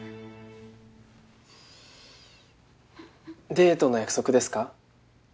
デートの約束ですか？